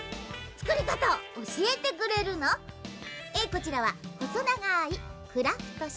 こちらはほそながいクラフトし。